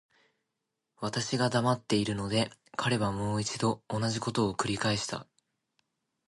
私が黙っているので、彼はもう一度同じことを繰返した。